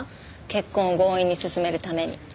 結婚を強引に進めるために。